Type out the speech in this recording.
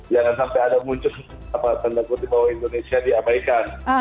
jangan sampai ada muncul tanda kutip bahwa indonesia diabaikan